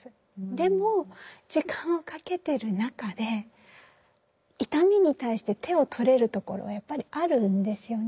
でも時間をかけてる中で痛みに対して手を取れるところはやっぱりあるんですよね。